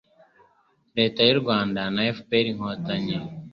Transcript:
Leta y'u Rwanda na FPR-Inkotany